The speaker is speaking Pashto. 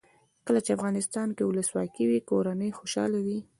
کله چې افغانستان کې ولسواکي وي کورنۍ خوشحاله وي.